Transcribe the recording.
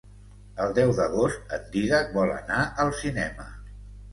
El deu d'agost en Dídac vol anar al cinema.